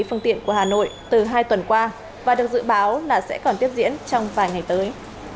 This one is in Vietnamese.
phương tiện của hà nội từ hai tuần qua và được dự báo là sẽ còn tiếp diễn trong vài ngày tới